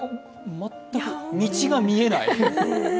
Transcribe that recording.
全く道が見えない。